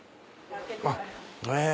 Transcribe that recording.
あっへぇ。